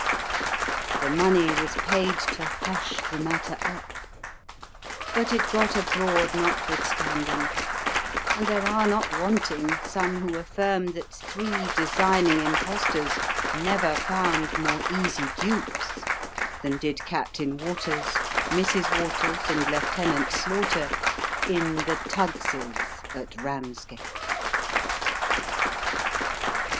The money was paid to hush the matter up, but it got abroad notwithstanding ; and there are not wanting some who affirm that three designing impostors never found more easy dupes, than did Captain Waters, Mrs. Waters, and Lieutenant Slaughter, in the Tuggs's at Kamsgate.